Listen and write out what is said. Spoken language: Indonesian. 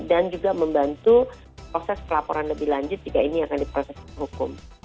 dan juga membantu proses pelaporan lebih lanjut jika ini akan diproses hukum